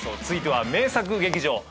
続いては名作劇場